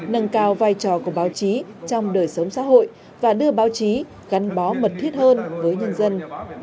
nâng cao vai trò của báo chí trong đời sống xã hội và đưa báo chí gắn bó mật thiết hơn với nhân dân